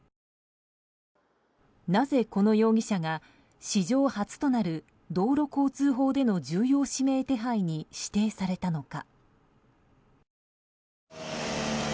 なぜこの容疑者が史上初となる道路交通法での重要指名手配に指定されたのか。